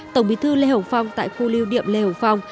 tổng bí thư lê hồng phong tại khu liêu điệm lê hồng phong